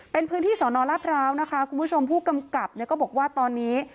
เป็นพื้นที่สอนอลาดพร้าวนะคะคุณผู้ชมผู้กำกับเนี่ยก็บอกว่าตอนนี้